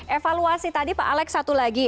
evaluasi tadi pak alex satu lagi